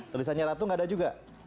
tulisannya ratu gak ada juga